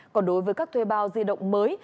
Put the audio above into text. còn đối với các thuê bao di động mới